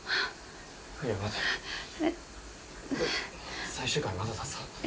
いや待て最終回まだだぞ？